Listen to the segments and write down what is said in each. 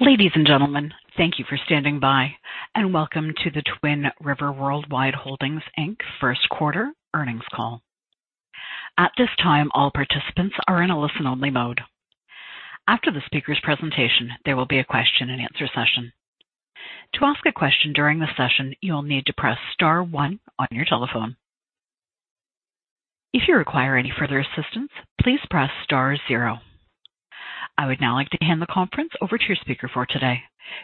Ladies and gentlemen, thank you for standing by, and welcome to the Twin River Worldwide Holdings, Inc. First Quarter Earnings Call. At this time, all participants are in a listen-only mode. After the speaker's presentation, there will be a question and answer session. To ask a question during the session, you'll need to press star one on your telephone. If you require any further assistance, please press star zero. I would now like to hand the conference over to your speaker for today,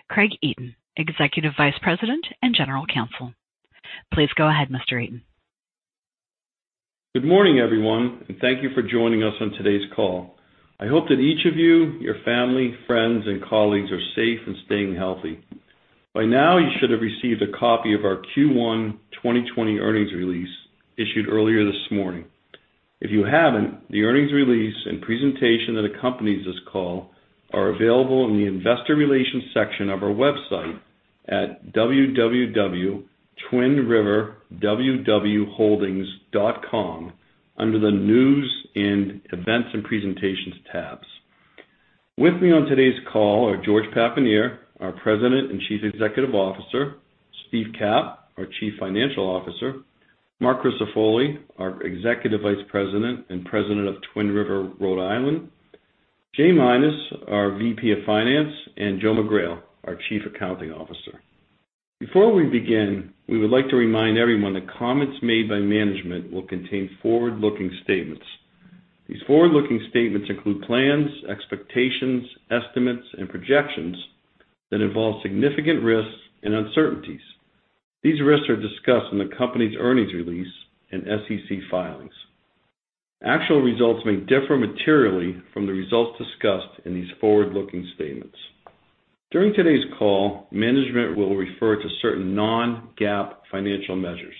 Craig Eaton, Executive Vice President and General Counsel. Please go ahead, Mr. Eaton. Good morning, everyone, and thank you for joining us on today's call. I hope that each of you, your family, friends, and colleagues are safe and staying healthy. By now, you should have received a copy of our Q1 2020 earnings release issued earlier this morning. If you haven't, the earnings release and presentation that accompanies this call are available in the investor relations section of our website at www.twinriverwwholdings.com under the News and Events and Presentations tabs. With me on today's call are George Papanier, our President and Chief Executive Officer, Steve Capp, our Chief Financial Officer, Marc Crisafulli, our Executive Vice President and President of Twin River Rhode Island, Jay Minis, our VP of Finance, and Joe McGrail, our Chief Accounting Officer. Before we begin, we would like to remind everyone that comments made by management will contain forward-looking statements. These forward-looking statements include plans, expectations, estimates, and projections that involve significant risks and uncertainties. These risks are discussed in the company's earnings release and SEC filings. Actual results may differ materially from the results discussed in these forward-looking statements. During today's call, management will refer to certain non-GAAP financial measures.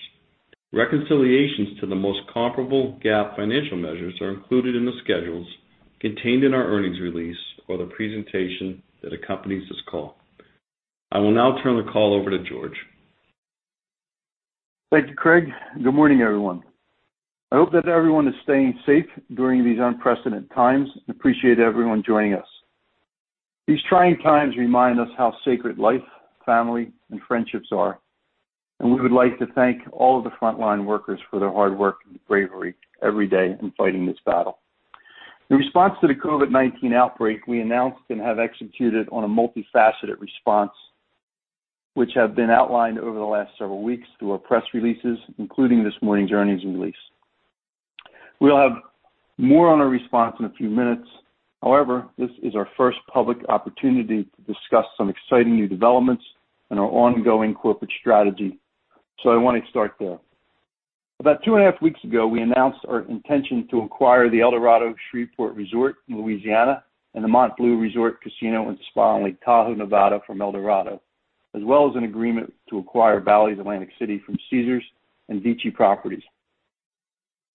Reconciliations to the most comparable GAAP financial measures are included in the schedules contained in our earnings release or the presentation that accompanies this call. I will now turn the call over to George. Thank you, Craig. Good morning, everyone. I hope that everyone is staying safe during these unprecedented times. Appreciate everyone joining us. These trying times remind us how sacred life, family, and friendships are. We would like to thank all of the frontline workers for their hard work and bravery every day in fighting this battle. In response to the COVID-19 outbreak, we announced and have executed on a multifaceted response which have been outlined over the last several weeks through our press releases, including this morning's earnings release. We'll have more on our response in a few minutes. This is our first public opportunity to discuss some exciting new developments and our ongoing corporate strategy. I want to start there. About two and a half weeks ago, we announced our intention to acquire the Eldorado Shreveport Resort in Louisiana and the MontBleu Resort Casino & Spa in Lake Tahoe, Nevada, from Eldorado, as well as an agreement to acquire Bally's Atlantic City from Caesars and VICI Properties.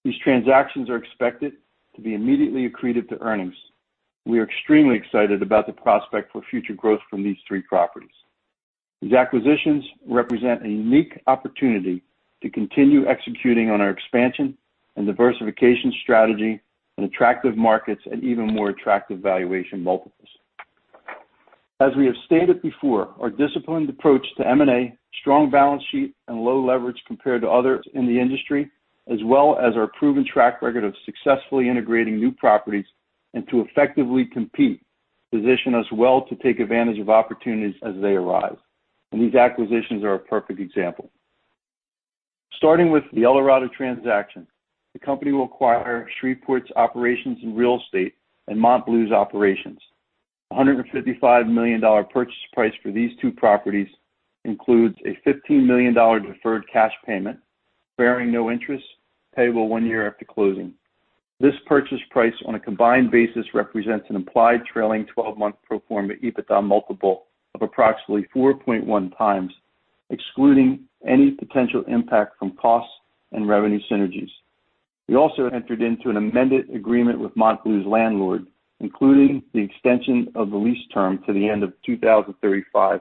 These transactions are expected to be immediately accretive to earnings. We are extremely excited about the prospect for future growth from these three properties. These acquisitions represent a unique opportunity to continue executing on our expansion and diversification strategy in attractive markets at even more attractive valuation multiples. As we have stated before, our disciplined approach to M&A, strong balance sheet, and low leverage compared to others in the industry, as well as our proven track record of successfully integrating new properties and to effectively compete, position us well to take advantage of opportunities as they arise, and these acquisitions are a perfect example. Starting with the Eldorado transaction, the company will acquire Shreveport's operations and real estate and MontBleu's operations. A $155 million purchase price for these two properties includes a $15 million deferred cash payment bearing no interest payable one year after closing. This purchase price on a combined basis represents an implied trailing 12-month pro forma EBITDA multiple of approximately 4.1x, excluding any potential impact from costs and revenue synergies. We also entered into an amended agreement with MontBleu's landlord, including the extension of the lease term to the end of 2035,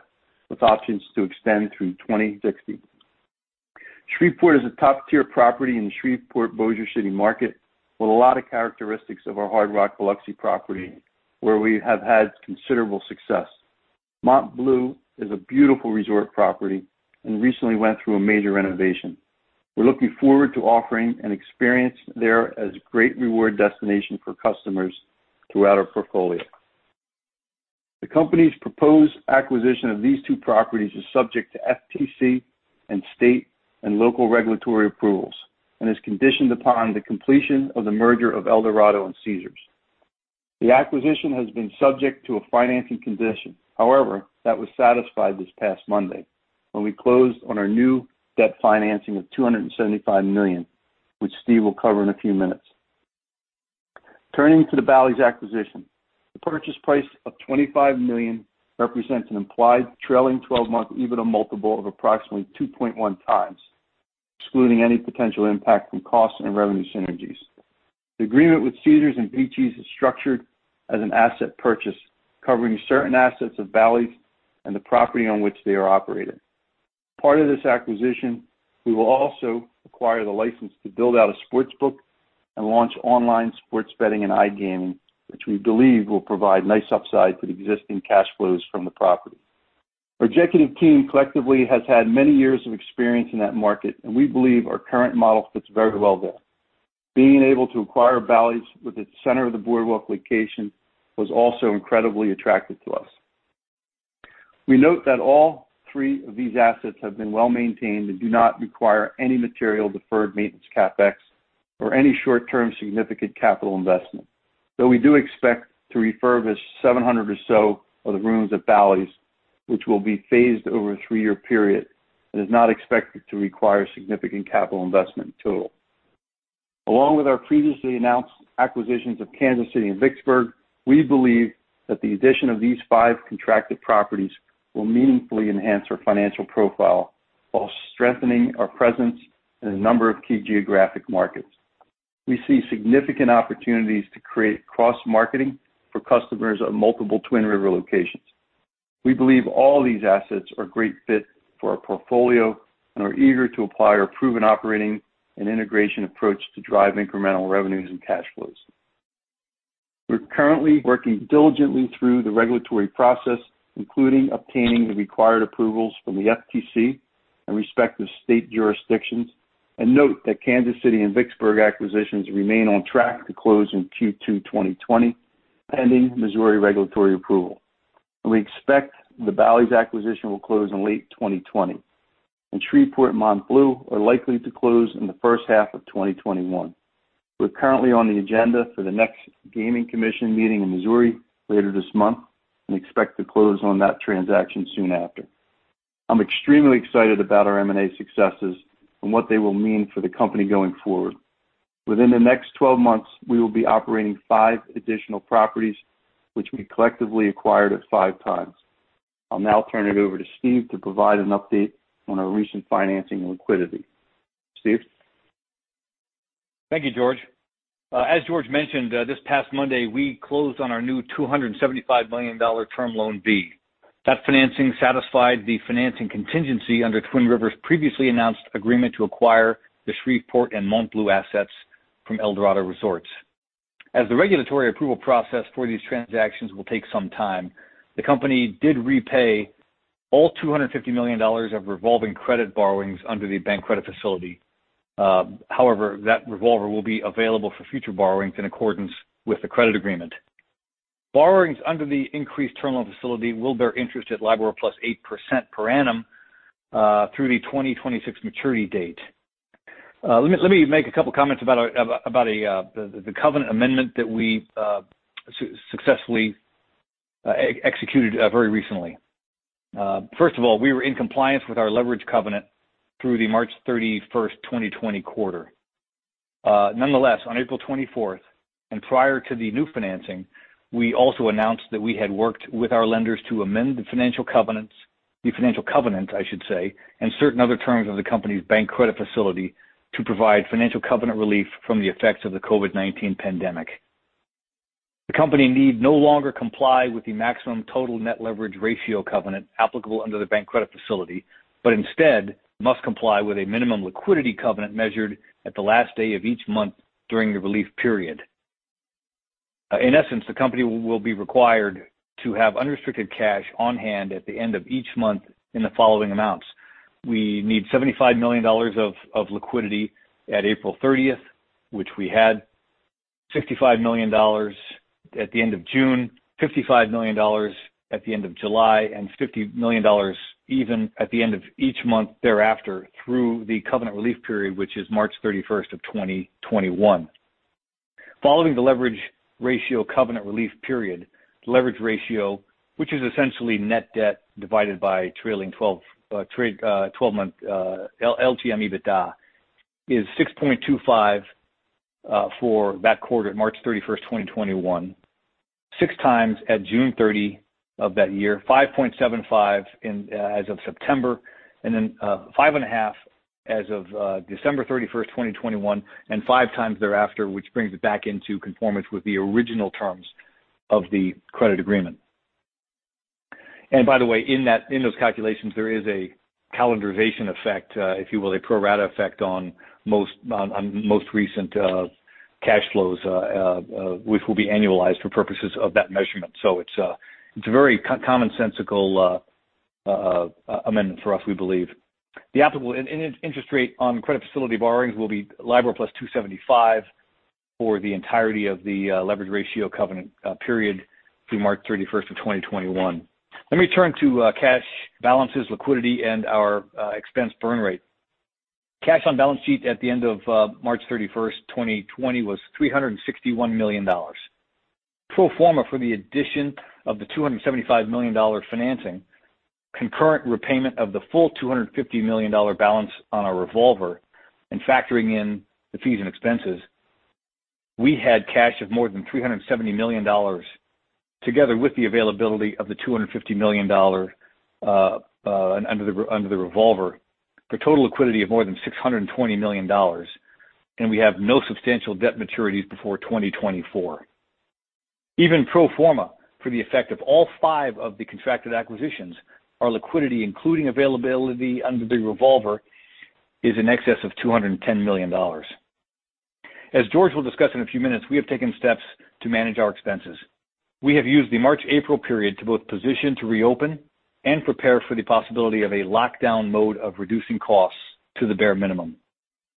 with options to extend through 2060. Shreveport is a top-tier property in the Shreveport-Bossier City market with a lot of characteristics of our Hard Rock Biloxi property, where we have had considerable success. MontBleu is a beautiful resort property and recently went through a major renovation. We're looking forward to offering an experience there as a great reward destination for customers throughout our portfolio. The company's proposed acquisition of these two properties is subject to FTC and state and local regulatory approvals and is conditioned upon the completion of the merger of Eldorado and Caesars. The acquisition has been subject to a financing condition. That was satisfied this past Monday when we closed on our new debt financing of $275 million, which Steve will cover in a few minutes. Turning to the Bally's acquisition. The purchase price of $25 million represents an implied trailing 12-month EBITDA multiple of approximately 2.1x, excluding any potential impact from cost and revenue synergies. The agreement with Caesars and Vici is structured as an asset purchase, covering certain assets of Bally's and the property on which they are operated. Part of this acquisition, we will also acquire the license to build out a sportsbook and launch online sports betting and iGaming, which we believe will provide nice upside for the existing cash flows from the property. Our executive team collectively has had many years of experience in that market, and we believe our current model fits very well there. Being able to acquire Bally's with its center of the boardwalk location was also incredibly attractive to us. We note that all three of these assets have been well-maintained and do not require any material deferred maintenance CapEx or any short-term significant capital investment. Though we do expect to refurbish 700 or so of the rooms at Bally's, which will be phased over a three-year period, and is not expected to require significant capital investment in total. Along with our previously announced acquisitions of Kansas City and Vicksburg, we believe that the addition of these five contracted properties will meaningfully enhance our financial profile while strengthening our presence in a number of key geographic markets. We see significant opportunities to create cross-marketing for customers at multiple Twin River locations. We believe all these assets are great fit for our portfolio and are eager to apply our proven operating and integration approach to drive incremental revenues and cash flows. We're currently working diligently through the regulatory process, including obtaining the required approvals from the FTC and respective state jurisdictions, note that Kansas City and Vicksburg acquisitions remain on track to close in Q2 2020, pending Missouri regulatory approval. We expect the Bally's acquisition will close in late 2020. Shreveport and MontBleu are likely to close in the first half of 2021. We're currently on the agenda for the next gaming commission meeting in Missouri later this month and expect to close on that transaction soon after. I'm extremely excited about our M&A successes and what they will mean for the company going forward. Within the next 12 months, we will be operating five additional properties, which we collectively acquired at 5x. I'll now turn it over to Steve to provide an update on our recent financing liquidity. Steve? Thank you, George. As George mentioned, this past Monday, we closed on our new $275 million term loan B. That financing satisfied the financing contingency under Twin River's previously announced agreement to acquire the Shreveport and MontBleu assets from Eldorado Resorts. As the regulatory approval process for these transactions will take some time, the company did repay all $250 million of revolving credit borrowings under the bank credit facility. However, that revolver will be available for future borrowings in accordance with the credit agreement. Borrowings under the increased term loan facility will bear interest at LIBOR plus 8% per annum, through the 2026 maturity date. Let me make a couple comments about the covenant amendment that we successfully executed very recently. First of all, we were in compliance with our leverage covenant through the March 31st, 2020 quarter. Nonetheless, on April 24th, and prior to the new financing, we also announced that we had worked with our lenders to amend the financial covenants, I should say, and certain other terms of the company's bank credit facility to provide financial covenant relief from the effects of the COVID-19 pandemic. The company need no longer comply with the maximum total net leverage ratio covenant applicable under the bank credit facility, but instead must comply with a minimum liquidity covenant measured at the last day of each month during the relief period. In essence, the company will be required to have unrestricted cash on hand at the end of each month in the following amounts. We need $75 million of liquidity at April 30th, which we had, $65 million at the end of June, $55 million at the end of July, and $50 million even at the end of each month thereafter through the covenant relief period, which is March 31st, 2021. Following the leverage ratio covenant relief period, the leverage ratio, which is essentially net debt divided by trailing 12-month LTM EBITDA, is 6.25 for that quarter, March 31st, 2021. 6x at June 30th of that year, 5.75 as of September, and then five and a half as of December 31st, 2021, and 5x thereafter, which brings it back into conformance with the original terms of the credit agreement. By the way, in those calculations, there is a calendarization effect, if you will, a pro rata effect on most recent cash flows, which will be annualized for purposes of that measurement. It's a very commonsensical amendment for us, we believe. The applicable interest rate on credit facility borrowings will be LIBOR plus 275 for the entirety of the leverage ratio covenant period through March 31st of 2021. Let me turn to cash balances, liquidity, and our expense burn rate. Cash on balance sheet at the end of March 31st, 2020 was $361 million. Pro forma for the addition of the $275 million financing, concurrent repayment of the full $250 million balance on our revolver, and factoring in the fees and expenses, we had cash of more than $370 million, together with the availability of the $250 million under the revolver, for total liquidity of more than $620 million, and we have no substantial debt maturities before 2024. Even pro forma for the effect of all five of the contracted acquisitions, our liquidity, including availability under the revolver, is in excess of $210 million. As George will discuss in a few minutes, we have taken steps to manage our expenses. We have used the March, April period to both position to reopen and prepare for the possibility of a lockdown mode of reducing costs to the bare minimum.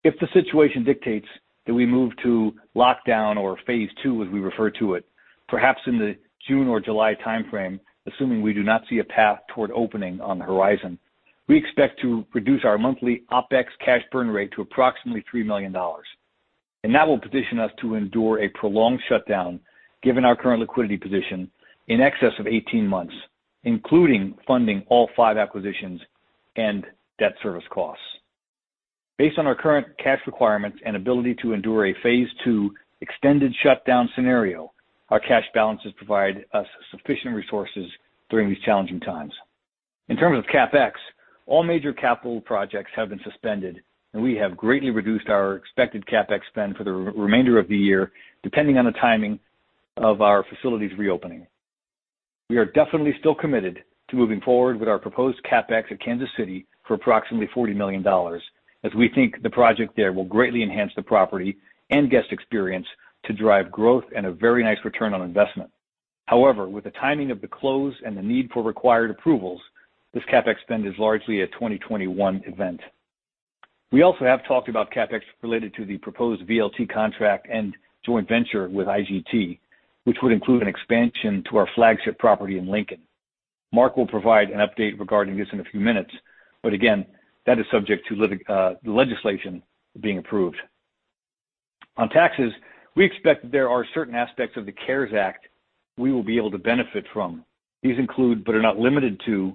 If the situation dictates that we move to lockdown or phase II, as we refer to it, perhaps in the June or July timeframe, assuming we do not see a path toward opening on the horizon, we expect to reduce our monthly OpEx cash burn rate to approximately $3 million. That will position us to endure a prolonged shutdown, given our current liquidity position, in excess of 18 months, including funding all five acquisitions and debt service costs. Based on our current cash requirements and ability to endure a phase II extended shutdown scenario, our cash balances provide us sufficient resources during these challenging times. In terms of CapEx, all major capital projects have been suspended, and we have greatly reduced our expected CapEx spend for the remainder of the year, depending on the timing of our facilities reopening. We are definitely still committed to moving forward with our proposed CapEx at Kansas City for approximately $40 million, as we think the project there will greatly enhance the property and guest experience to drive growth and a very nice return on investment. With the timing of the close and the need for required approvals, this CapEx spend is largely a 2021 event. We also have talked about CapEx related to the proposed VLT contract and joint venture with IGT, which would include an expansion to our flagship property in Lincoln. Marc will provide an update regarding this in a few minutes. Again, that is subject to the legislation being approved. On taxes, we expect that there are certain aspects of the CARES Act we will be able to benefit from. These include, but are not limited to,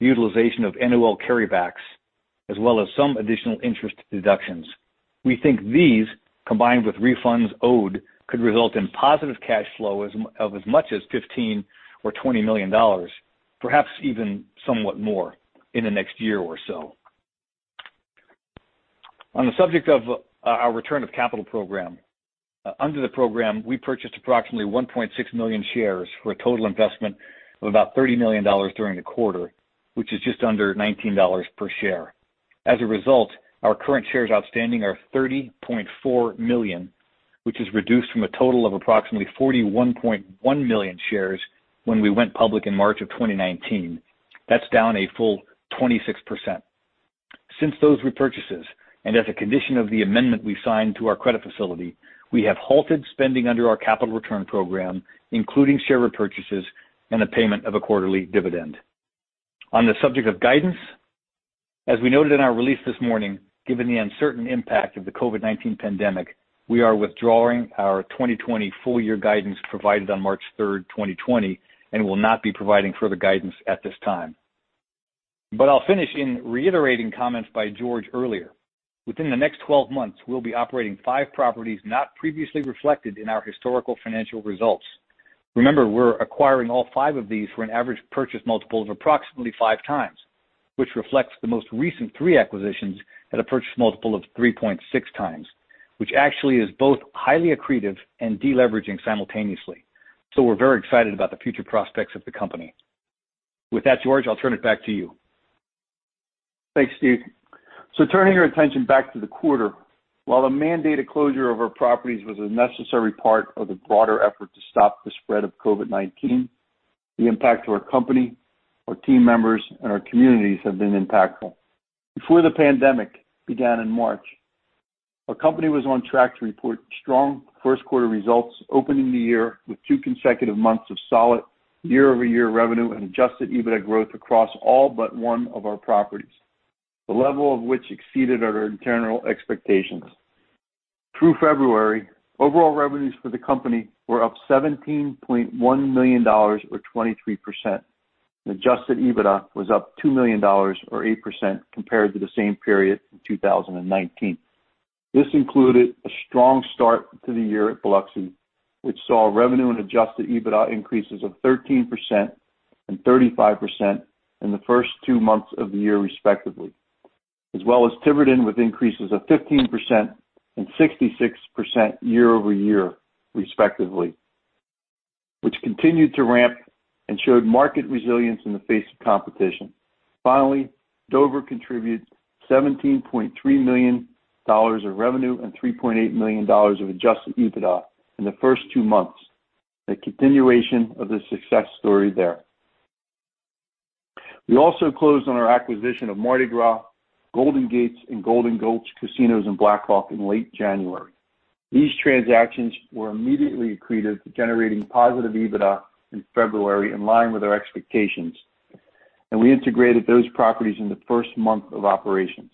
the utilization of NOL carrybacks, as well as some additional interest deductions. We think these, combined with refunds owed, could result in positive cash flow of as much as $15 or $20 million, perhaps even somewhat more in the next year or so. On the subject of our return of capital program. Under the program, we purchased approximately 1.6 million shares for a total investment of about $30 million during the quarter, which is just under $19 per share. As a result, our current shares outstanding are 30.4 million, which is reduced from a total of approximately 41.1 million shares when we went public in March of 2019. That's down a full 26%. Since those repurchases, and as a condition of the amendment we signed to our credit facility, we have halted spending under our capital return program, including share repurchases and the payment of a quarterly dividend. On the subject of guidance, as we noted in our release this morning, given the uncertain impact of the COVID-19 pandemic, we are withdrawing our 2020 full year guidance provided on March 3rd, 2020, and will not be providing further guidance at this time. I'll finish in reiterating comments by George earlier. Within the next 12 months, we'll be operating five properties not previously reflected in our historical financial results. Remember, we're acquiring all five of these for an average purchase multiple of approximately 5x, which reflects the most recent three acquisitions at a purchase multiple of 3.6x, which actually is both highly accretive and deleveraging simultaneously. We're very excited about the future prospects of the company. With that, George, I'll turn it back to you. Thanks, Steve. Turning our attention back to the quarter, while the mandated closure of our properties was a necessary part of the broader effort to stop the spread of COVID-19, the impact to our company, our team members, and our communities have been impactful. Before the pandemic began in March, our company was on track to report strong first quarter results, opening the year with two consecutive months of solid YoY revenue and Adjusted EBITDA growth across all but one of our properties, the level of which exceeded our internal expectations. Through February, overall revenues for the company were up $17.1 million, or 23%, and Adjusted EBITDA was up $2 million, or 8%, compared to the same period in 2019. This included a strong start to the year at Biloxi, which saw revenue and Adjusted EBITDA increases of 13% and 35% in the first two months of the year, respectively. As well as Twin River, with increases of 15% and 66% YoY, respectively, which continued to ramp and showed market resilience in the face of competition. Finally, Dover contributed $17.3 million of revenue and $3.8 million of Adjusted EBITDA in the first two months, a continuation of the success story there. We also closed on our acquisition of Mardi Gras, Golden Gates, and Golden Gulch casinos in Black Hawk in late January. These transactions were immediately accretive to generating positive EBITDA in February, in line with our expectations, and we integrated those properties in the first month of operations.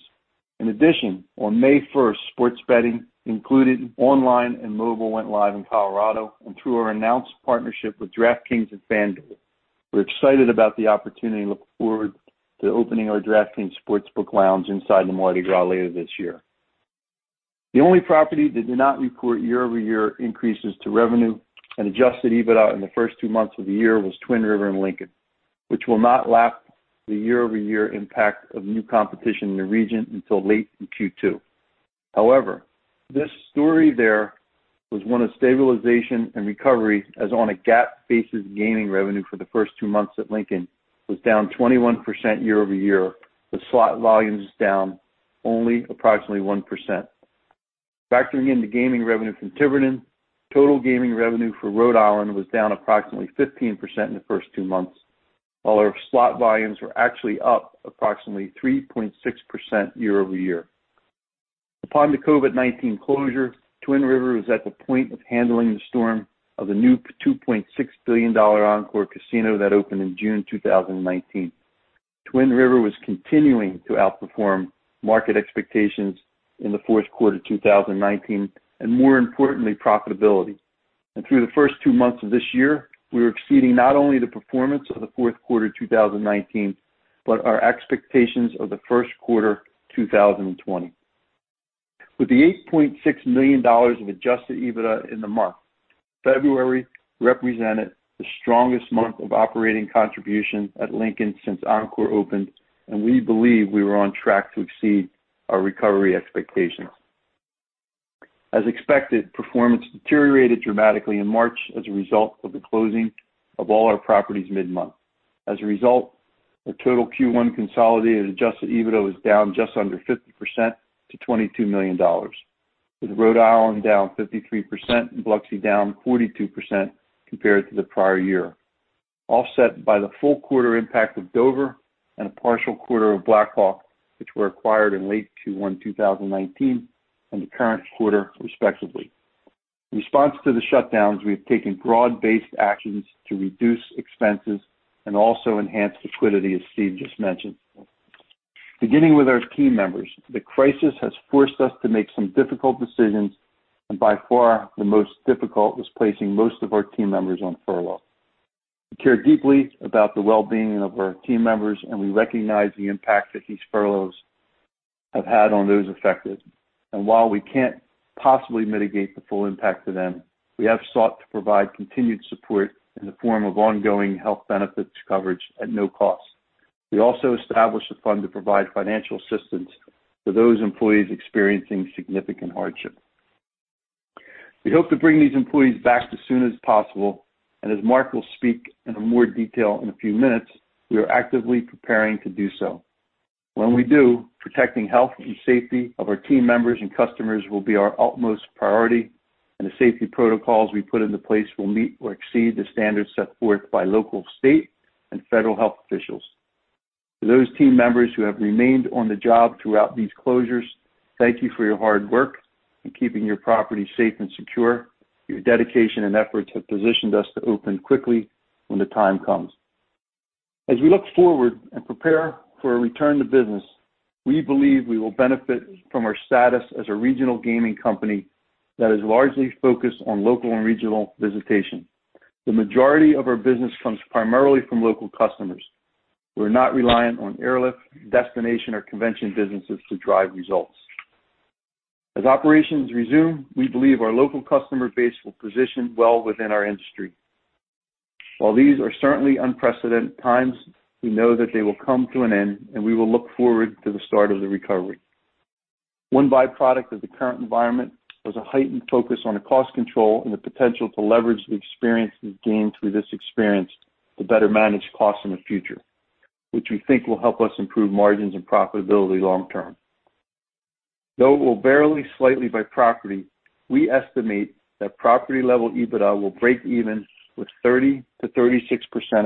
In addition, on May 1st, sports betting, including online and mobile, went live in Colorado, and through our announced partnership with DraftKings and FanDuel, we're excited about the opportunity and look forward to opening our DraftKings Sportsbook Lounge inside the Mardi Gras later this year. The only property that did not report YoY increases to revenue and adjusted EBITDA in the first two months of the year was Twin River in Lincoln, which will not lap the YoY impact of new competition in the region until late in Q2. However, this story there was one of stabilization and recovery, as on a GAAP basis, gaming revenue for the first two months at Lincoln was down 21% YoY, with slot volumes down only approximately 1%. Factoring in the gaming revenue from Tiverton, total gaming revenue for Rhode Island was down approximately 15% in the first two months. While our slot volumes were actually up approximately 3.6% YoY. Upon the COVID-19 closure, Twin River was at the point of handling the storm of the new $2.6 billion Encore casino that opened in June 2019. Twin River was continuing to outperform market expectations in the fourth quarter 2019, and more importantly, profitability. Through the first two months of this year, we were exceeding not only the performance of the fourth quarter 2019, but our expectations of the first quarter 2020. With the $8.6 million of Adjusted EBITDA in the month of February represented the strongest month of operating contribution at Lincoln since Encore opened, and we believe we were on track to exceed our recovery expectations. As expected, performance deteriorated dramatically in March as a result of the closing of all our properties mid-month. As a result, our total Q1 consolidated adjusted EBITDA was down just under 50% to $22 million, with Rhode Island down 53% and Biloxi down 42% compared to the prior year. Offset by the full quarter impact of Dover and a partial quarter of Black Hawk, which were acquired in late Q1 2019 and the current quarter, respectively. In response to the shutdowns, we have taken broad-based actions to reduce expenses and also enhance liquidity, as Steve just mentioned. Beginning with our team members, the crisis has forced us to make some difficult decisions, and by far, the most difficult was placing most of our team members on furlough. We care deeply about the well-being of our team members, and we recognize the impact that these furloughs have had on those affected. While we can't possibly mitigate the full impact to them, we have sought to provide continued support in the form of ongoing health benefits coverage at no cost. We also established a fund to provide financial assistance to those employees experiencing significant hardship. We hope to bring these employees back as soon as possible, and as Marc will speak in more detail in a few minutes, we are actively preparing to do so. When we do, protecting health and safety of our team members and customers will be our utmost priority, and the safety protocols we put into place will meet or exceed the standards set forth by local, state, and federal health officials. For those team members who have remained on the job throughout these closures, thank you for your hard work in keeping your property safe and secure. Your dedication and efforts have positioned us to open quickly when the time comes. As we look forward and prepare for a return to business, we believe we will benefit from our status as a regional gaming company that is largely focused on local and regional visitation. The majority of our business comes primarily from local customers. We're not reliant on airlift, destination, or convention businesses to drive results. As operations resume, we believe our local customer base will position well within our industry. While these are certainly unprecedented times, we know that they will come to an end, and we will look forward to the start of the recovery. One byproduct of the current environment was a heightened focus on the cost control and the potential to leverage the experiences gained through this experience to better manage costs in the future, which we think will help us improve margins and profitability long term. Though it will vary slightly by property, we estimate that property-level EBITDA will break even with 30%-36%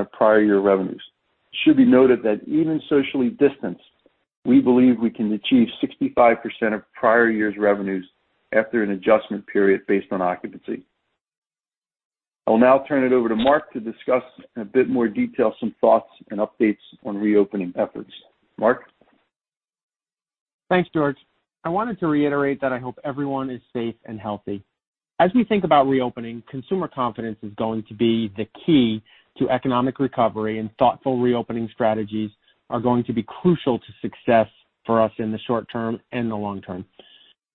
of prior year revenues. It should be noted that even socially distanced, we believe we can achieve 65% of prior year's revenues after an adjustment period based on occupancy. I will now turn it over to Marc to discuss in a bit more detail some thoughts and updates on reopening efforts. Marc? Thanks, George. I wanted to reiterate that I hope everyone is safe and healthy. As we think about reopening, consumer confidence is going to be the key to economic recovery, and thoughtful reopening strategies are going to be crucial to success for us in the short term and the long term.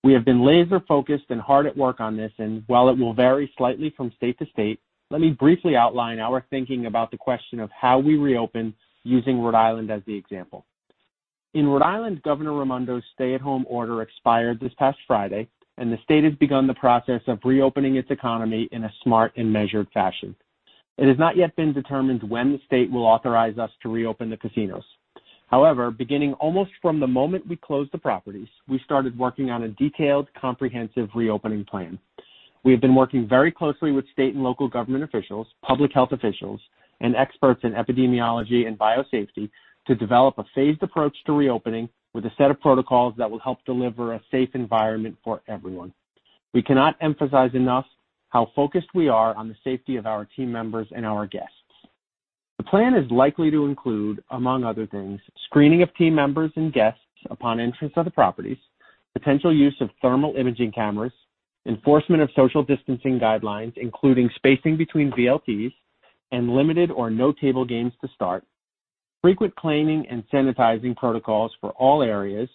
We have been laser-focused and hard at work on this, and while it will vary slightly from state to state, let me briefly outline our thinking about the question of how we reopen using Rhode Island as the example. In Rhode Island, Governor Raimondo's stay-at-home order expired this past Friday, and the state has begun the process of reopening its economy in a smart and measured fashion. It has not yet been determined when the state will authorize us to reopen the casinos. Beginning almost from the moment we closed the properties, we started working on a detailed, comprehensive reopening plan. We have been working very closely with state and local government officials, public health officials, and experts in epidemiology and biosafety to develop a phased approach to reopening with a set of protocols that will help deliver a safe environment for everyone. We cannot emphasize enough how focused we are on the safety of our team members and our guests. The plan is likely to include, among other things, screening of team members and guests upon entrance of the properties, potential use of thermal imaging cameras, enforcement of social distancing guidelines, including spacing between VLTs, and limited or no table games to start, frequent cleaning and sanitizing protocols for all areas,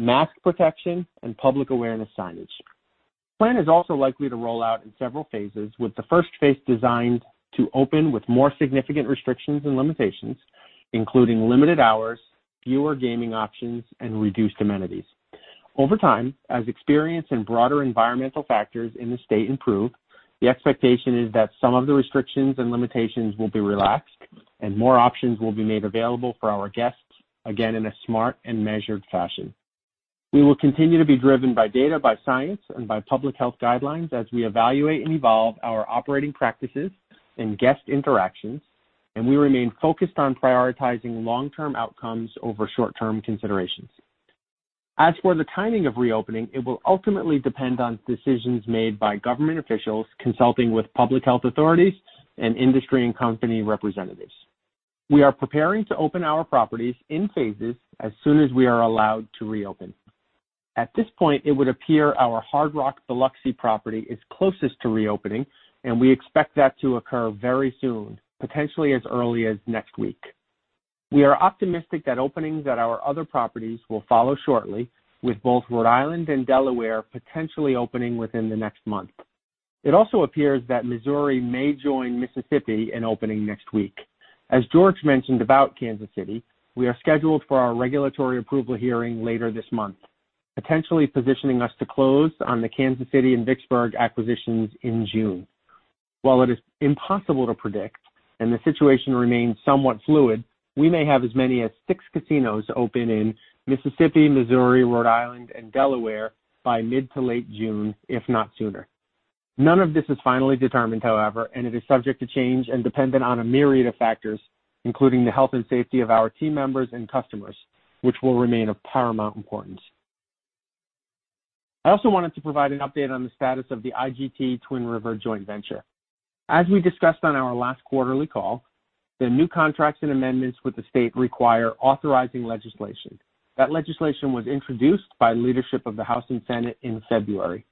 mask protection, and public awareness signage. Plan is also likely to roll out in several phases, with the first phase designed to open with more significant restrictions and limitations, including limited hours, fewer gaming options, and reduced amenities. Over time, as experience and broader environmental factors in the state improve, the expectation is that some of the restrictions and limitations will be relaxed and more options will be made available for our guests, again, in a smart and measured fashion. We will continue to be driven by data, by science, and by public health guidelines as we evaluate and evolve our operating practices and guest interactions, and we remain focused on prioritizing long-term outcomes over short-term considerations. As for the timing of reopening, it will ultimately depend on decisions made by government officials consulting with public health authorities and industry and company representatives. We are preparing to open our properties in phases as soon as we are allowed to reopen. At this point, it would appear our Hard Rock Biloxi property is closest to reopening, and we expect that to occur very soon, potentially as early as next week. We are optimistic that openings at our other properties will follow shortly, with both Rhode Island and Delaware potentially opening within the next month. It also appears that Missouri may join Mississippi in opening next week. As George mentioned about Kansas City, we are scheduled for our regulatory approval hearing later this month, potentially positioning us to close on the Kansas City and Vicksburg acquisitions in June. While it is impossible to predict and the situation remains somewhat fluid, we may have as many as six casinos open in Mississippi, Missouri, Rhode Island, and Delaware by mid to late June, if not sooner. None of this is finally determined, however, and it is subject to change and dependent on a myriad of factors, including the health and safety of our team members and customers, which will remain of paramount importance. I also wanted to provide an update on the status of the IGT Twin River joint venture. As we discussed on our last quarterly call, the new contracts and amendments with the state require authorizing legislation. That legislation was introduced by leadership of the House and Senate in February.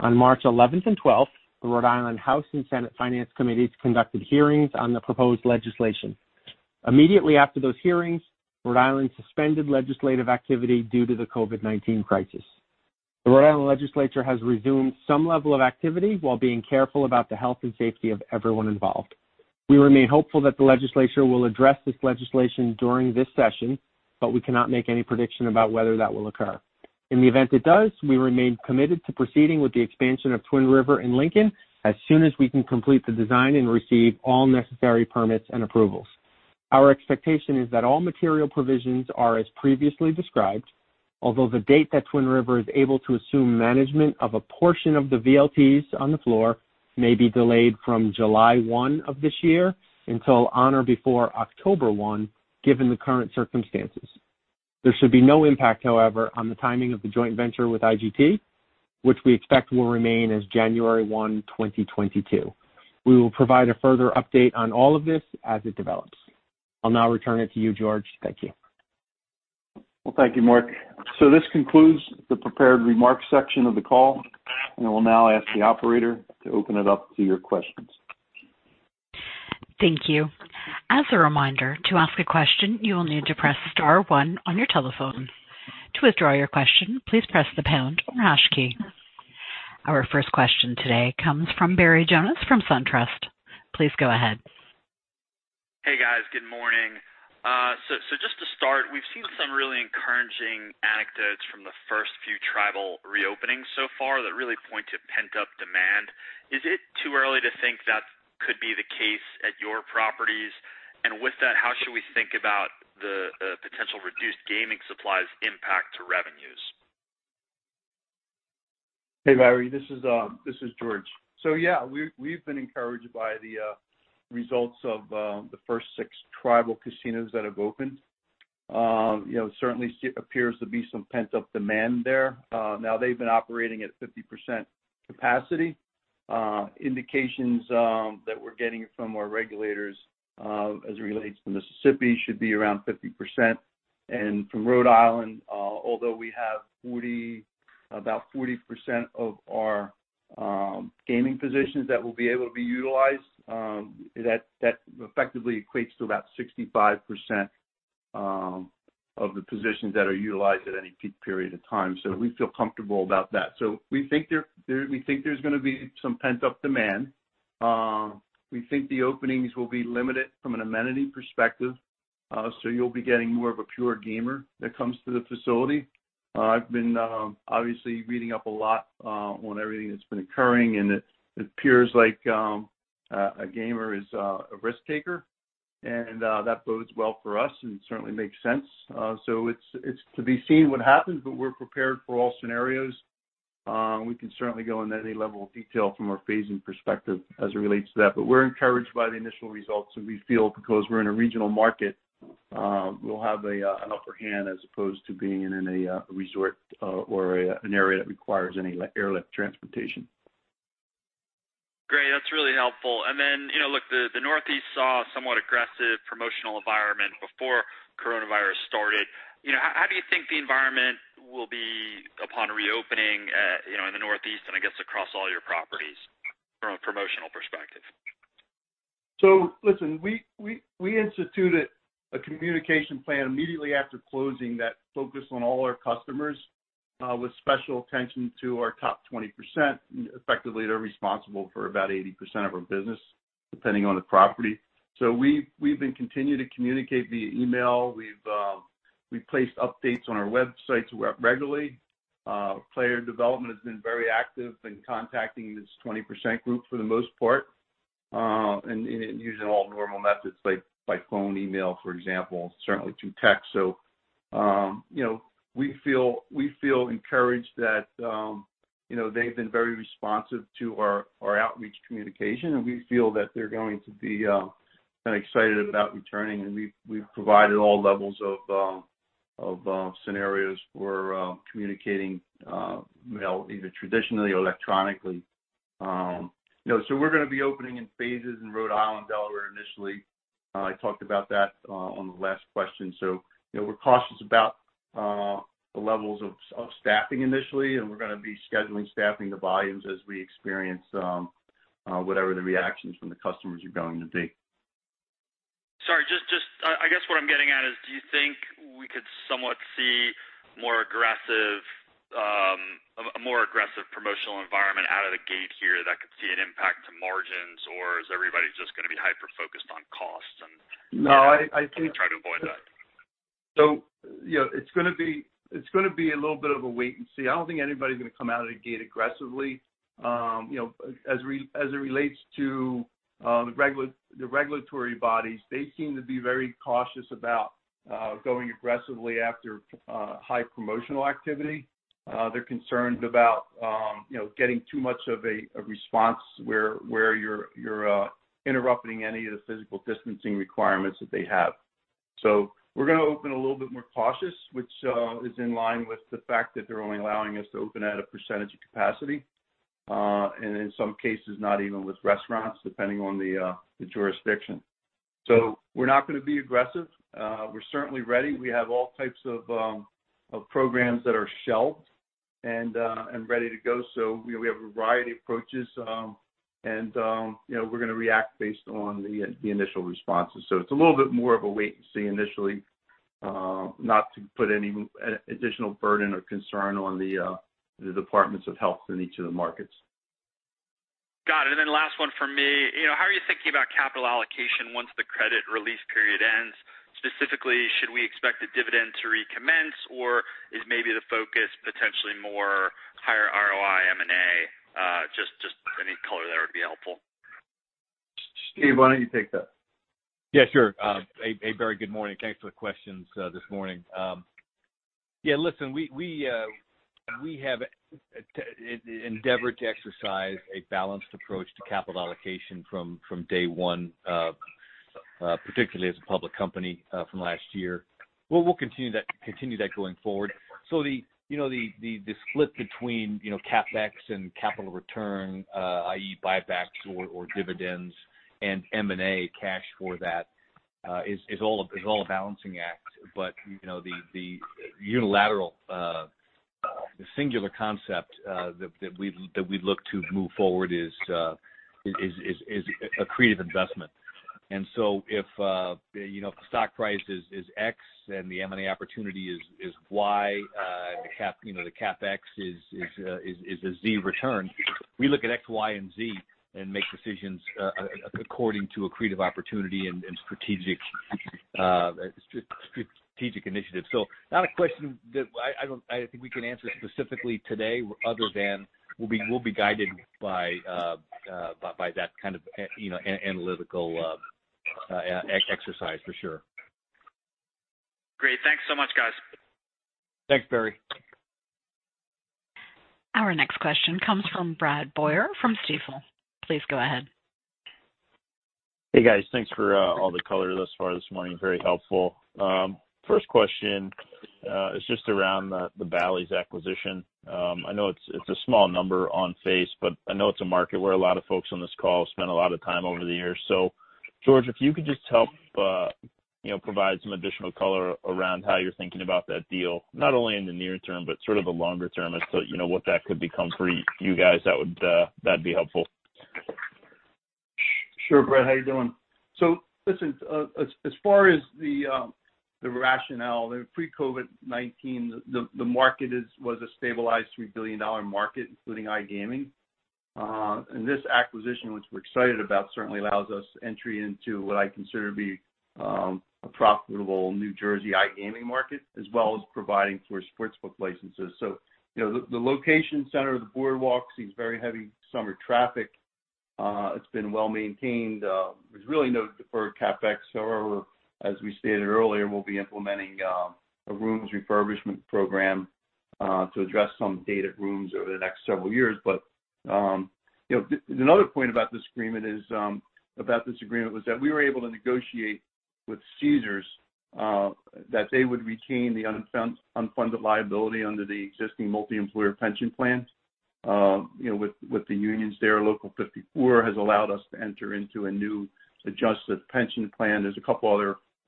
On March 11th and 12th, the Rhode Island House and Senate Finance Committees conducted hearings on the proposed legislation. Immediately after those hearings, Rhode Island suspended legislative activity due to the COVID-19 crisis. The Rhode Island legislature has resumed some level of activity while being careful about the health and safety of everyone involved. We remain hopeful that the legislature will address this legislation during this session, but we cannot make any prediction about whether that will occur. In the event it does, we remain committed to proceeding with the expansion of Twin River in Lincoln as soon as we can complete the design and receive all necessary permits and approvals. Our expectation is that all material provisions are as previously described, although the date that Twin River is able to assume management of a portion of the VLTs on the floor may be delayed from July 1st of this year until on or before October 1st, given the current circumstances. There should be no impact, however, on the timing of the joint venture with IGT, which we expect will remain as January 1st, 2022. We will provide a further update on all of this as it develops. I'll now return it to you, George. Thank you. Well, thank you, Marc. This concludes the prepared remarks section of the call, and we'll now ask the operator to open it up to your questions. Thank you. As a reminder, to ask a question, you will need to press star one on your telephone. To withdraw your question, please press the pound or hash key. Our first question today comes from Barry Jonas from SunTrust. Please go ahead. Hey, guys. Good morning. Just to start, we've seen some really encouraging anecdotes from the first few tribal reopenings so far that really point to pent-up demand. Is it too early to think that could be the case at your properties? With that, how should we think about the potential reduced gaming supplies impact to revenues? Hey, Barry, this is George. Yeah, we've been encouraged by the results of the first six tribal casinos that have opened. Certainly appears to be some pent-up demand there. Now, they've been operating at 50% capacity. Indications that we're getting from our regulators, as it relates to Mississippi, should be around 50%. From Rhode Island, although we have about 40% of our gaming positions that will be able to be utilized, that effectively equates to about 65% of the positions that are utilized at any peak period of time. We feel comfortable about that. We think there's going to be some pent-up demand. We think the openings will be limited from an amenity perspective, so you'll be getting more of a pure gamer that comes to the facility. I've been obviously reading up a lot on everything that's been occurring, and it appears like a gamer is a risk-taker, and that bodes well for us and certainly makes sense. It's to be seen what happens, but we're prepared for all scenarios. We can certainly go into any level of detail from our phasing perspective as it relates to that. We're encouraged by the initial results, and we feel because we're in a regional market, we'll have an upper hand as opposed to being in a resort or an area that requires any airlift transportation. Great. That's really helpful. Look, the Northeast saw a somewhat aggressive promotional environment before coronavirus started. How do you think the environment will be upon reopening in the Northeast and I guess across all your properties? Listen, we instituted a communication plan immediately after closing that focused on all our customers, with special attention to our top 20%. Effectively, they're responsible for about 80% of our business, depending on the property. We've been continuing to communicate via email. We've placed updates on our websites regularly. Player development has been very active in contacting this 20% group for the most part, and using all normal methods like phone, email, for example, certainly through text. We feel encouraged that they've been very responsive to our outreach communication, and we feel that they're going to be kind of excited about returning, and we've provided all levels of scenarios for communicating, either traditionally or electronically. We're going to be opening in phases in Rhode Island, Delaware initially. I talked about that on the last question. We're cautious about the levels of staffing initially, and we're going to be scheduling staffing to volumes as we experience whatever the reactions from the customers are going to be. Sorry, I guess what I'm getting at is do you think we could somewhat see a more aggressive promotional environment out of the gate here that could see an impact to margins? Is everybody just going to be hyper-focused on costs? No, I think- -try to avoid that? It's going to be a little bit of a wait and see. I don't think anybody's going to come out of the gate aggressively. As it relates to the regulatory bodies, they seem to be very cautious about going aggressively after high promotional activity. They're concerned about getting too much of a response where you're interrupting any of the physical distancing requirements that they have. We're going to open a little bit more cautious, which is in line with the fact that they're only allowing us to open at a percentage of capacity. In some cases, not even with restaurants, depending on the jurisdiction. We're not going to be aggressive. We're certainly ready. We have all types of programs that are shelved and ready to go. We have a variety of approaches, and we're going to react based on the initial responses. It's a little bit more of a wait and see initially, not to put any additional burden or concern on the departments of health in each of the markets. Got it. Last one from me. How are you thinking about capital allocation once the credit release period ends? Specifically, should we expect the dividend to recommence, or is maybe the focus potentially more higher ROI, M&A? Just any color there would be helpful. Steve, why don't you take that? Yeah, sure. A very good morning. Thanks for the questions this morning. Yeah, listen, we have endeavored to exercise a balanced approach to capital allocation from day one, particularly as a public company from last year. We'll continue that going forward. The split between CapEx and capital return, i.e., buybacks or dividends and M&A cash for that, is all a balancing act. The unilateral, the singular concept that we look to move forward is accretive investment. If the stock price is X and the M&A opportunity is Y, and the CapEx is a Z return, we look at X, Y, and Z and make decisions according to accretive opportunity and strategic initiative. Not a question that I think we can answer specifically today, other than we'll be guided by that kind of analytical exercise, for sure. Great. Thanks so much, guys. Thanks, Barry. Our next question comes from Brad Boyer from Stifel. Please go ahead. Hey, guys. Thanks for all the color thus far this morning. Very helpful. First question is just around the Bally's acquisition. I know it's a small number on face, but I know it's a market where a lot of folks on this call have spent a lot of time over the years. George, if you could just help provide some additional color around how you're thinking about that deal, not only in the near term, but sort of the longer term as to what that could become for you guys, that'd be helpful. Sure, Brad. How you doing? Listen, as far as the rationale, pre-COVID-19, the market was a stabilized $3 billion market, including iGaming. This acquisition, which we're excited about, certainly allows us entry into what I consider to be a profitable New Jersey iGaming market, as well as providing for sportsbook licenses. The location center of the boardwalk sees very heavy summer traffic. It's been well-maintained. There's really no deferred CapEx. However, as we stated earlier, we'll be implementing a rooms refurbishment program to address some dated rooms over the next several years. Another point about this agreement was that we were able to negotiate with Caesars that they would retain the unfunded liability under the existing multiemployer pension plan with the unions there. Local 54 has allowed us to enter into a new adjusted pension plan. There's a couple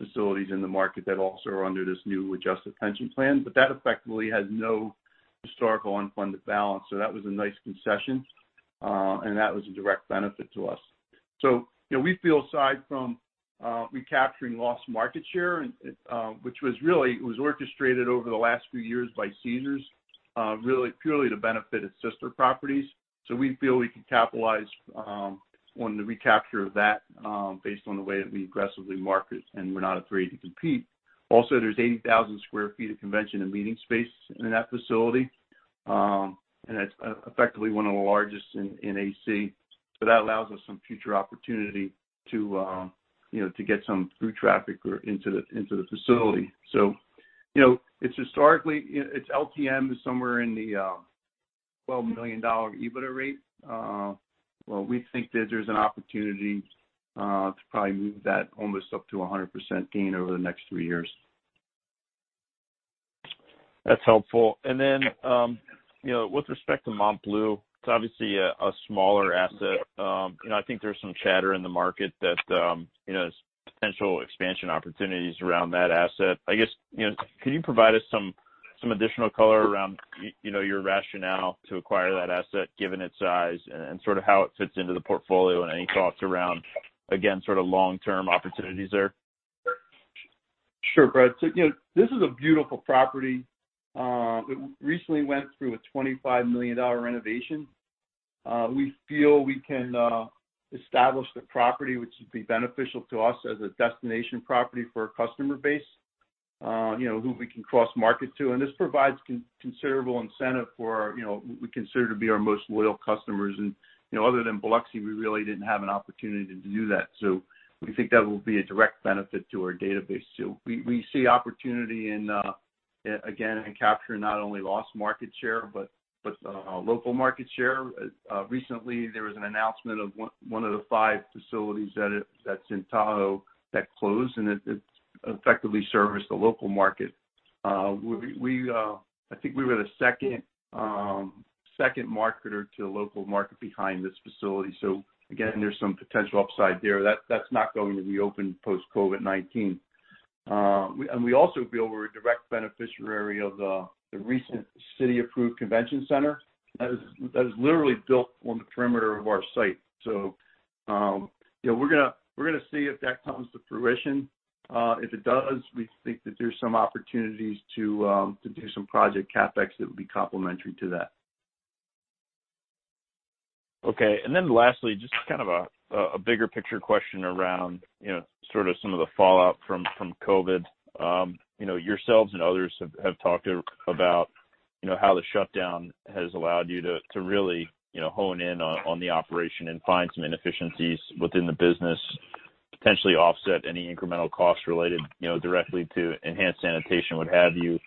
other facilities in the market that also are under this new adjusted pension plan. That effectively has no historical unfunded balance. That was a nice concession. That was a direct benefit to us. We feel aside from recapturing lost market share, which was really, it was orchestrated over the last few years by Caesars, really purely to benefit its sister properties. We feel we can capitalize on the recapture of that based on the way that we aggressively market and we're not afraid to compete. Also, there's 80,000 sq ft of convention and meeting space in that facility. That's effectively one of the largest in AC. That allows us some future opportunity to get some through traffic into the facility. Its LTM is somewhere in the $12 million EBITDA rate. We think that there's an opportunity to probably move that almost up to 100% gain over the next three years. That's helpful. With respect to MontBleu, it's obviously a smaller asset. I think there's some chatter in the market that there's potential expansion opportunities around that asset. I guess, can you provide us some additional color around your rationale to acquire that asset given its size and how it fits into the portfolio and any thoughts around, again, long-term opportunities there? This is a beautiful property. It recently went through a $25 million renovation. We feel we can establish the property, which would be beneficial to us as a destination property for a customer base who we can cross-market to. This provides considerable incentive for who we consider to be our most loyal customers. Other than Biloxi, we really didn't have an opportunity to do that. We think that will be a direct benefit to our database too. We see opportunity in, again, in capturing not only lost market share, but local market share. Recently, there was an announcement of one of the five facilities that's in Tahoe that closed, and it effectively serviced the local market. I think we were the second marketer to the local market behind this facility. Again, there's some potential upside there. That's not going to reopen post-COVID-19. We also feel we're a direct beneficiary of the recent city-approved convention center that is literally built on the perimeter of our site. We're going to see if that comes to fruition. If it does, we think that there's some opportunities to do some project CapEx that would be complementary to that. Okay. Lastly, just a bigger picture question around some of the fallout from COVID. Yourselves and others have talked about how the shutdown has allowed you to really hone in on the operation and find some inefficiencies within the business, potentially offset any incremental costs related directly to enhanced sanitation, what have you.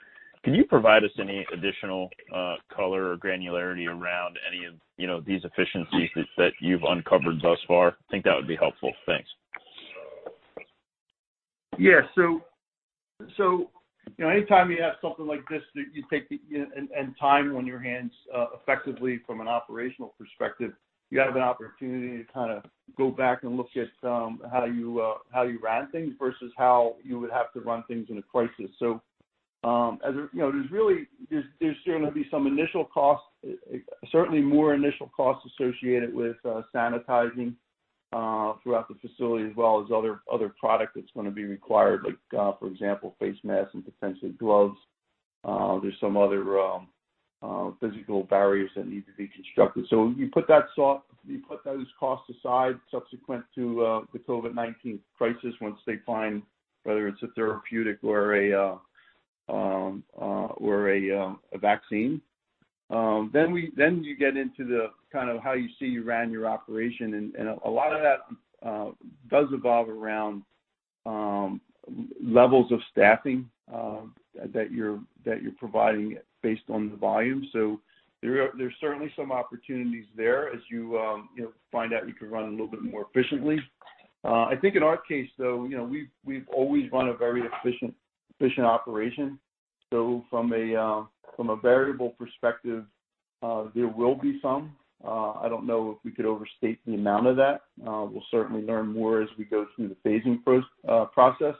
Can you provide us any additional color or granularity around any of these efficiencies that you've uncovered thus far? I think that would be helpful. Thanks. Yeah. Anytime you have something like this, that you take the time on your hands, effectively from an operational perspective, you have an opportunity to go back and look at how you ran things versus how you would have to run things in a crisis. There's going to be some initial costs, certainly more initial costs associated with sanitizing throughout the facility as well as other product that's going to be required, like, for example, face masks and potentially gloves. There's some other physical barriers that need to be constructed. You put those costs aside subsequent to the COVID-19 crisis, once they find whether it's a therapeutic or a vaccine. You get into the kind of how you see you ran your operation, and a lot of that does revolve around levels of staffing that you're providing based on the volume. There's certainly some opportunities there as you find out you can run a little bit more efficiently. I think in our case, though, we've always run a very efficient operation. From a variable perspective, there will be some. I don't know if we could overstate the amount of that. We'll certainly learn more as we go through the phasing process.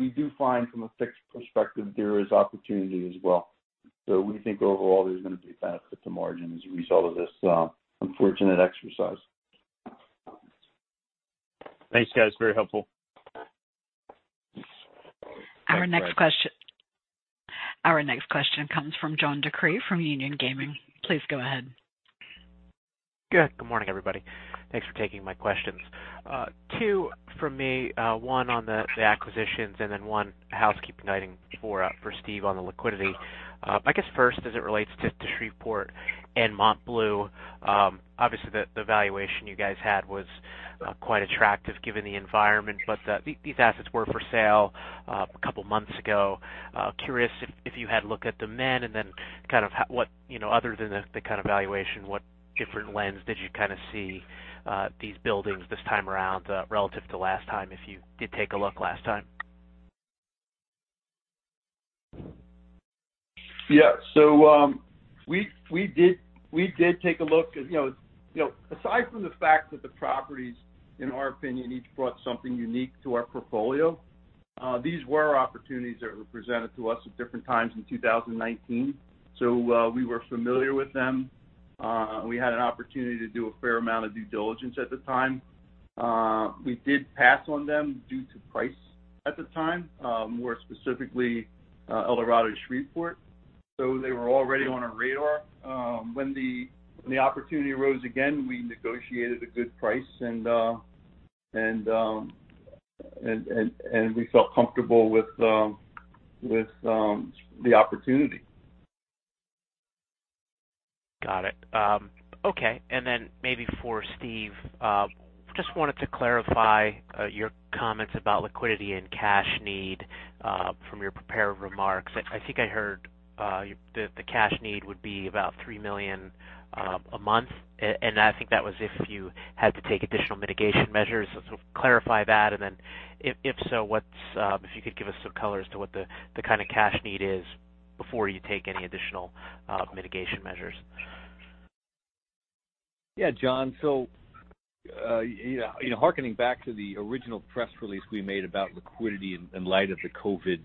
We do find from a fixed perspective, there is opportunity as well. We think overall, there's going to be benefit to margin as a result of this unfortunate exercise. Thanks, guys. Very helpful. Thanks, Brad. Our next question comes from John DeCree from Union Gaming. Please go ahead. Good morning, everybody. Thanks for taking my questions. two from me, one on the acquisitions and then one housekeeping item for Steve on the liquidity. I guess first, as it relates to Shreveport and MontBleu, obviously the valuation you guys had was quite attractive given the environment, but these assets were for sale a couple of months ago. Curious if you had looked at them then and then kind of what, other than the kind of valuation, what different lens did you kind of see these buildings this time around relative to last time if you did take a look last time? Yeah. We did take a look. Aside from the fact that the properties, in our opinion, each brought something unique to our portfolio. These were opportunities that were presented to us at different times in 2019. We were familiar with them. We had an opportunity to do a fair amount of due diligence at the time. We did pass on them due to price at the time, more specifically Eldorado Shreveport. They were already on our radar. When the opportunity arose again, we negotiated a good price and we felt comfortable with the opportunity. Got it. Okay. Maybe for Steve, just wanted to clarify your comments about liquidity and cash need from your prepared remarks. I think I heard the cash need would be about $3 million a month. I think that was if you had to take additional mitigation measures. Clarify that, then if so, if you could give us some color as to what the kind of cash need is before you take any additional mitigation measures. Yeah, John. Hearkening back to the original press release we made about liquidity in light of the COVID,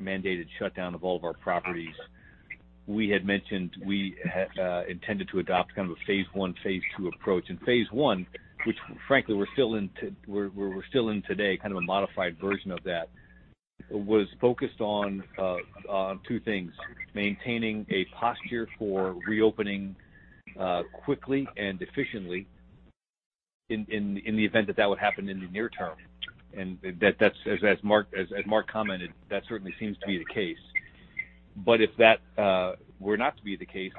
mandated shutdown of all of our properties. We had mentioned we intended to adopt kind of a phase I, phase II approach. Phase I, which frankly, we're still in today, kind of a modified version of that, was focused on two things: maintaining a posture for reopening quickly and efficiently in the event that that would happen in the near term. As Marc commented, that certainly seems to be the case. If that were not to be the case,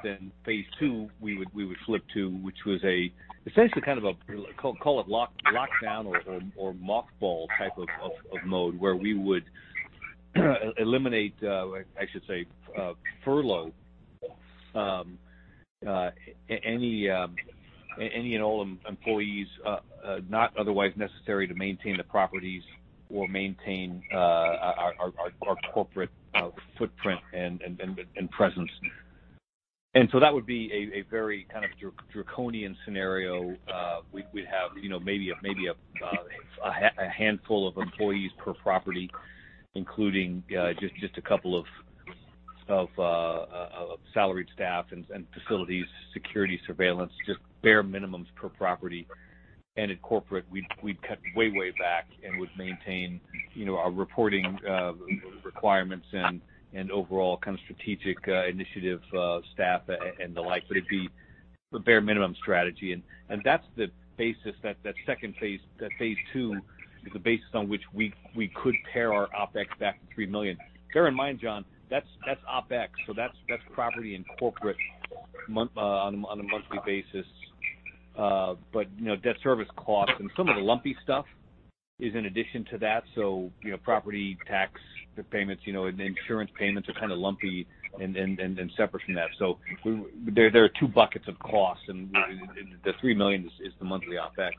phase II, we would flip to which was a essentially kind of a, call it lockdown or mothball type of mode, where we would eliminate, I should say, furlough any and all employees not otherwise necessary to maintain the properties or maintain our corporate footprint and presence. That would be a very kind of draconian scenario. We'd have maybe a handful of employees per property, including just a couple of salaried staff and facilities, security, surveillance, just bare minimums per property. At corporate, we'd cut way back and would maintain our reporting requirements and overall kind of strategic initiative staff and the like. It'd be a bare minimum strategy. That's the basis, that phase II is the basis on which we could pare our OpEx back to $3 million. Bear in mind, John, that's OpEx, that's property and corporate on a monthly basis. Debt service costs and some of the lumpy stuff is in addition to that. Property tax payments, and insurance payments are kind of lumpy and separate from that. There are two buckets of costs, and the $3 million is the monthly OpEx.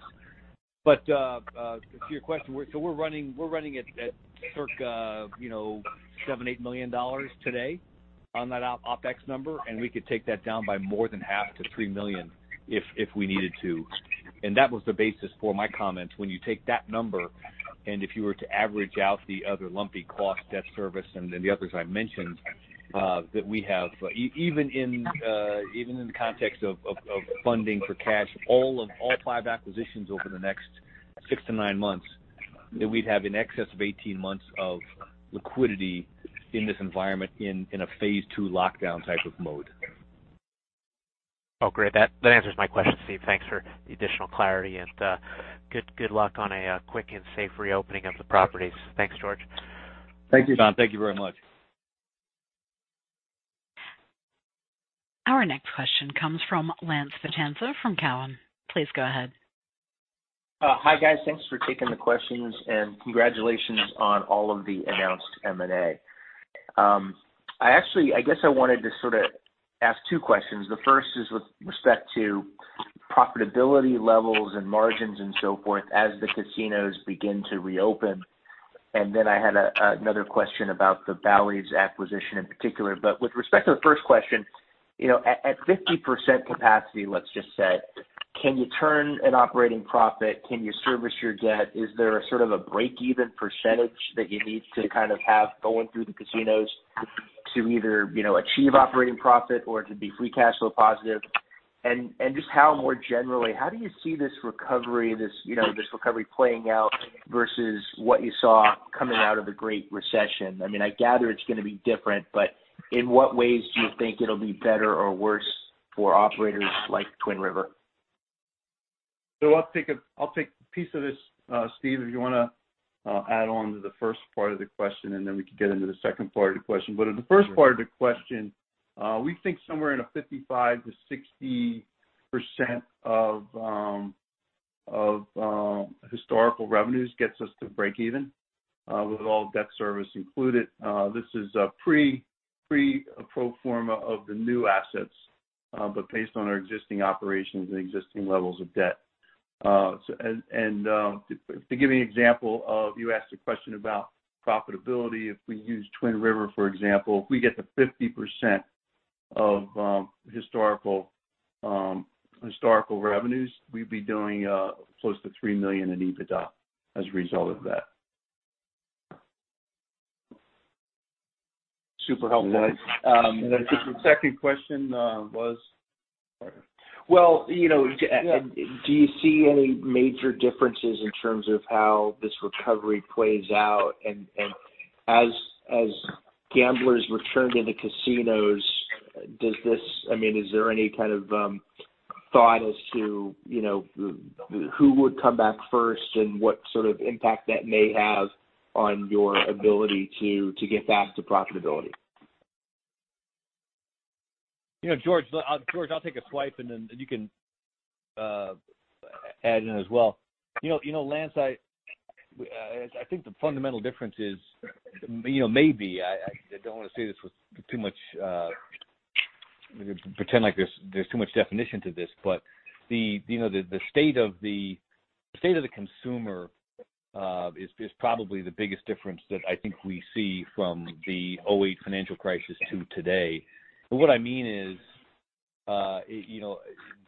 To your question, we're running at circa $7 million-$8 million today on that OpEx number, and we could take that down by more than half to $3 million if we needed to. That was the basis for my comment. When you take that number, and if you were to average out the other lumpy costs, debt service, and the others I mentioned, that we have, even in the context of funding for cash, all five acquisitions over the next six to nine months, that we'd have in excess of 18 months of liquidity in this environment in a phase two lockdown type of mode. Great. That answers my question, Steve. Thanks for the additional clarity, and good luck on a quick and safe reopening of the properties. Thanks, George. Thank you, John. Thank you very much. Our next question comes from Lance Vitanza from Cowen. Please go ahead. Hi, guys. Thanks for taking the questions, congratulations on all of the announced M&A. I guess I wanted to sort of ask two questions. The first is with respect to profitability levels and margins and so forth as the casinos begin to reopen. I had another question about the Bally's acquisition in particular. With respect to the first question, at 50% capacity, let's just say, can you turn an operating profit? Can you service your debt? Is there a sort of a break-even percentage that you need to kind of have going through the casinos to either achieve operating profit or to be free cash flow positive? Just how more generally, how do you see this recovery playing out versus what you saw coming out of the Great Recession? I gather it's going to be different, but in what ways do you think it'll be better or worse for operators like Twin River? I'll take a piece of this. Steve, if you want to add on to the first part of the question, and then we can get into the second part of the question. In the first part of the question, we think somewhere in a 55%-60% of historical revenues gets us to breakeven, with all debt service included. This is pre pro forma of the new assets, but based on our existing operations and existing levels of debt. To give you an example of, you asked a question about profitability, if we use Twin River, for example, if we get to 50% of historical revenues, we'd be doing close to $3 million in EBITDA as a result of that. Super helpful. I think your second question was? Well, do you see any major differences in terms of how this recovery plays out? As gamblers return to the casinos, is there any kind of thought as to who would come back first and what sort of impact that may have on your ability to get back to profitability? George, I'll take a swipe and then you can add in as well. Lance, I think the fundamental difference is, maybe, I don't want to pretend like there's too much definition to this, but the state of the consumer is probably the biggest difference that I think we see from the '08 financial crisis to today. What I mean is,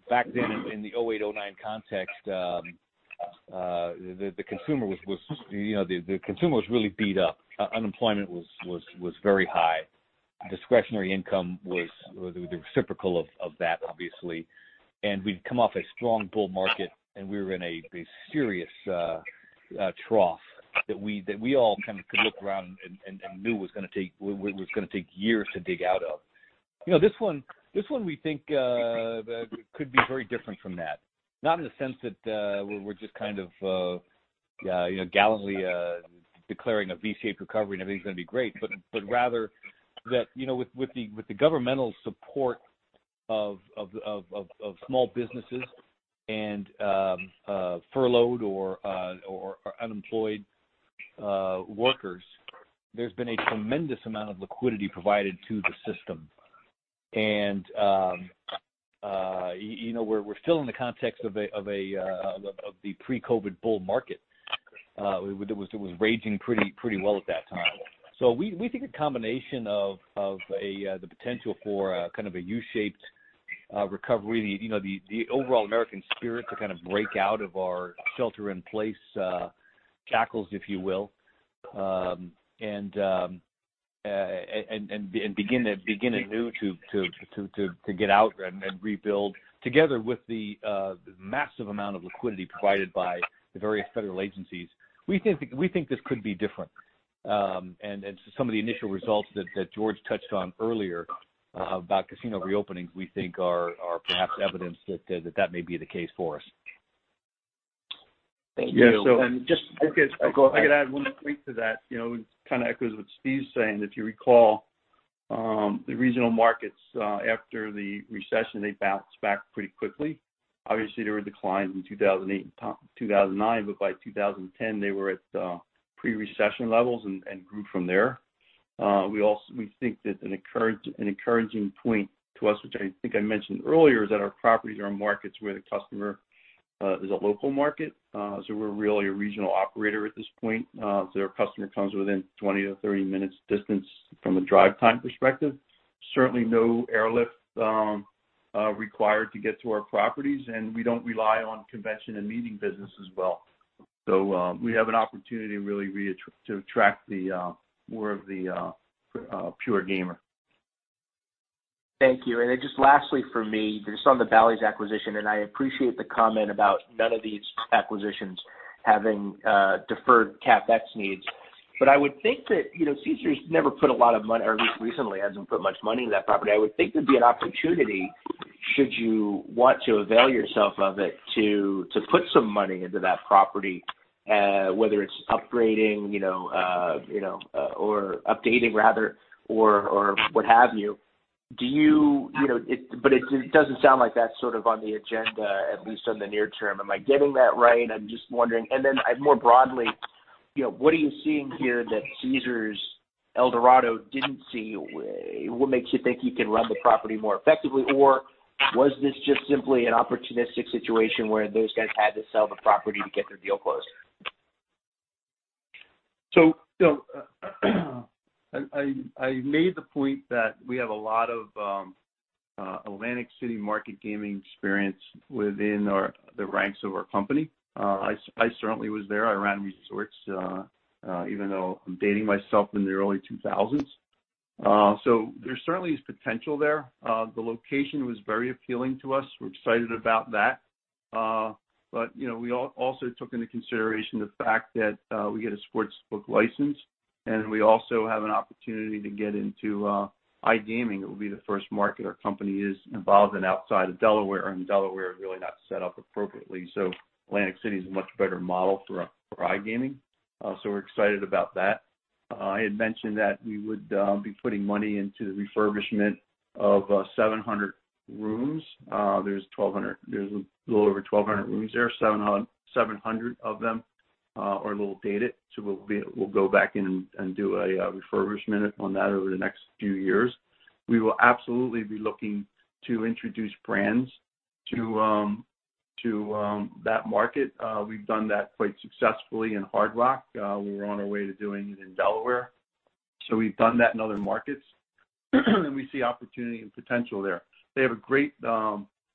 back then in the '08, '09 context, the consumer was really beat up. Unemployment was very high. Discretionary income was the reciprocal of that, obviously. We'd come off a strong bull market, and we were in a serious trough that we all kind of could look around and knew was going to take years to dig out of. This one we think could be very different from that. Not in the sense that we're just kind of gallantly declaring a V-shaped recovery and everything's going to be great, but rather that with the governmental support of small businesses and furloughed or unemployed workers, there's been a tremendous amount of liquidity provided to the system. We're still in the context of the pre-COVID-19 bull market. It was raging pretty well at that time. We think a combination of the potential for a kind of a U-shaped recovery, the overall American spirit to kind of break out of our shelter in place shackles, if you will, and begin anew to get out and rebuild, together with the massive amount of liquidity provided by the various federal agencies, we think this could be different. Some of the initial results that George touched on earlier about casino reopenings, we think are perhaps evidence that that may be the case for us. Thank you. Just, if I could add one point to that. It kind of echoes what Steve's saying. If you recall, the regional markets, after the recession, they bounced back pretty quickly. Obviously, there were declines in 2008 and 2009, but by 2010, they were at pre-recession levels and grew from there. We think that an encouraging point to us, which I think I mentioned earlier, is that our properties are in markets where the customer is a local market. We're really a regional operator at this point. Our customer comes within 20-30 minutes distance from a drive time perspective. Certainly no airlift required to get to our properties, and we don't rely on convention and meeting business as well. We have an opportunity really to attract more of the pure gamer. Thank you. Just lastly from me, just on the Bally's acquisition, I appreciate the comment about none of these acquisitions having deferred CapEx needs. I would think that Caesars never put a lot of money, or at least recently hasn't put much money in that property. I would think there'd be an opportunity, should you want to avail yourself of it, to put some money into that property, whether it's upgrading or updating rather, or what have you. It doesn't sound like that's sort of on the agenda, at least on the near term. Am I getting that right? I'm just wondering. More broadly, what are you seeing here that Caesars, Eldorado didn't see? What makes you think you can run the property more effectively? Was this just simply an opportunistic situation where those guys had to sell the property to get their deal closed? I made the point that we have a lot of Atlantic City market gaming experience within the ranks of our company. I certainly was there. I ran Resorts, even though I'm dating myself, in the early 2000s. There certainly is potential there. The location was very appealing to us. We're excited about that. We also took into consideration the fact that we get a sportsbook license and we also have an opportunity to get into iGaming. It will be the first market our company is involved in outside of Delaware, and Delaware is really not set up appropriately. Atlantic City is a much better model for iGaming. We're excited about that. I had mentioned that we would be putting money into the refurbishment of 700 rooms. There's a little over 1,200 rooms there. 700 of them are a little dated, so we'll go back in and do a refurbishment on that over the next few years. We will absolutely be looking to introduce brands to that market. We've done that quite successfully in Hard Rock. We're on our way to doing it in Delaware. We've done that in other markets, and we see opportunity and potential there. They have a great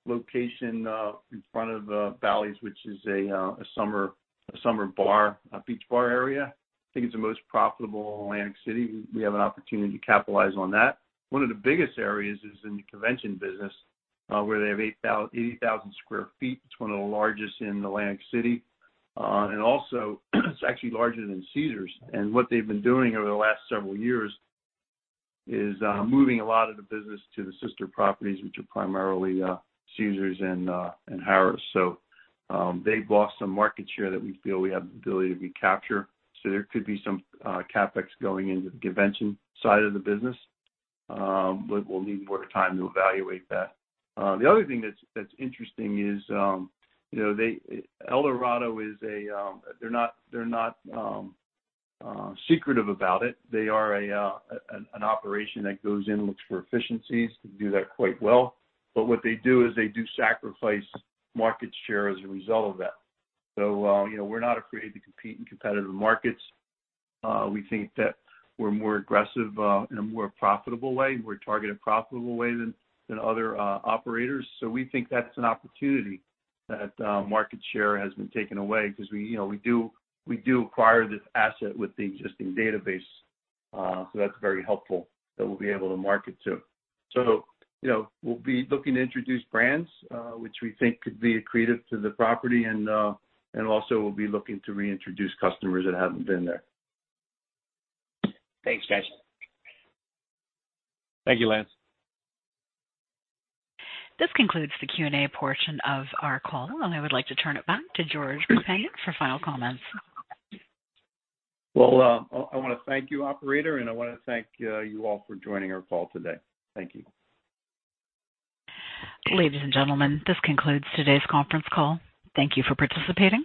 location in front of Bally's, which is a summer beach bar area. I think it's the most profitable in Atlantic City. We have an opportunity to capitalize on that. One of the biggest areas is in the convention business, where they have 80,000 sq ft. It's one of the largest in Atlantic City. Also, it's actually larger than Caesars. What they've been doing over the last several years is moving a lot of the business to the sister properties, which are primarily Caesars and Harrah's. They've lost some market share that we feel we have the ability to recapture. There could be some CapEx going into the convention side of the business, but we'll need more time to evaluate that. The other thing that's interesting is Eldorado, they're not secretive about it. They are an operation that goes in and looks for efficiencies and do that quite well. What they do is they do sacrifice market share as a result of that. We're not afraid to compete in competitive markets. We think that we're more aggressive in a more profitable way. We're targeted profitable way than other operators. We think that's an opportunity that market share has been taken away because we do acquire this asset with the existing database. That's very helpful that we'll be able to market to. We'll be looking to introduce brands, which we think could be accretive to the property and also we'll be looking to reintroduce customers that haven't been there. Thanks, guys. Thank you, Lance. This concludes the Q&A portion of our call, and I would like to turn it back to George Papanier for final comments. I want to thank you, operator, and I want to thank you all for joining our call today. Thank you. Ladies and gentlemen, this concludes today's conference call. Thank you for participating.